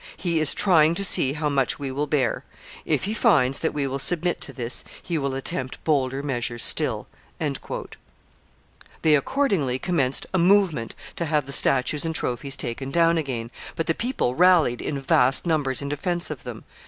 He is trying to see how much we will bear. If he finds that we will submit to this, he will attempt bolder measures still." They accordingly commenced a movement to have the statues and trophies taken down again, but the people rallied in vast numbers in defense of them.